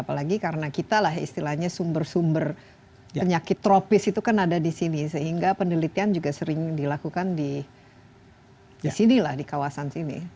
apalagi karena kita lah istilahnya sumber sumber penyakit tropis itu kan ada di sini sehingga penelitian juga sering dilakukan di sini lah di kawasan sini